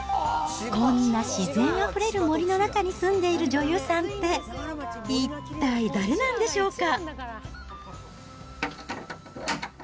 こんな自然あふれる森の中に住んでいる女優さんって、一体誰なんでしょうか。